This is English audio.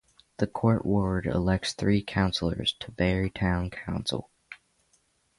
The Court ward elects three councillors to Barry Town Council.